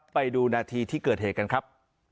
ไปดูนาทีที่เกิดเหตุกันครับ